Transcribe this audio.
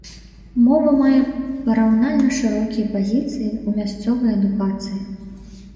Мова мае параўнальна шырокія пазіцыі ў мясцовай адукацыі.